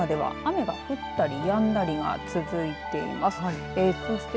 この福島では雨が降ったりやんだりが続いています。